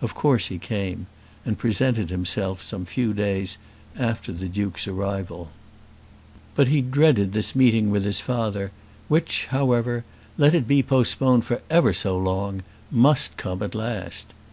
Of course he came, and presented himself some few days after the Duke's arrival. But he dreaded this meeting with his father which, however, let it be postponed for ever so long, must come at last.